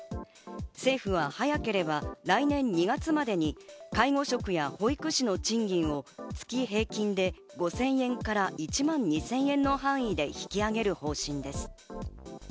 政府は早ければ来年２月までに介護職や保育士の賃金を月平均で５０００円から１万２０００円の範囲で引き上げる方針です。